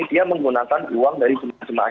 dia menggunakan uang dari jemaah jemaah